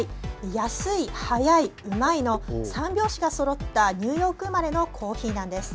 安い、早い、うまいの三拍子がそろったニューヨーク生まれのコーヒーなんです。